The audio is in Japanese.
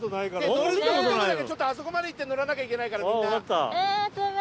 乗る時だけちょっとあそこまで行ってらなきゃいけないからみんな。